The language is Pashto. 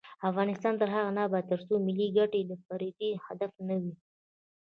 افغانستان تر هغو نه ابادیږي، ترڅو ملي ګټې د فردي هدف نه وي.